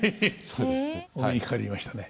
そうですね。